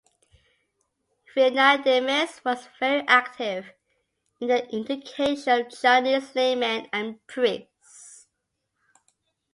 Freinademetz was very active in the education of Chinese laymen and priests.